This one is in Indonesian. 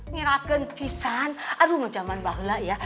miraken pisah aduh mah jaman bahala ya